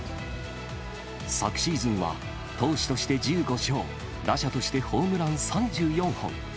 昨シーズンは、投手として１５勝、打者としてホームラン３４本。